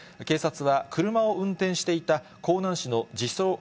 警察は、車を運転していた江南市の自称